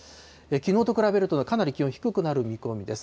きのうと比べると、かなり気温低くなる見込みです。